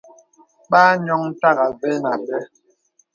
Bà ànioŋ tàgā və̂ nà àbə.